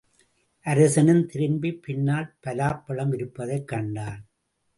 அரசனும் திரும்பிப் பின்னால் பலாப்பழம் இருப்பதைக் கண்டான்.